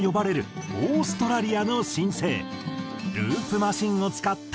ループマシンを使った演奏。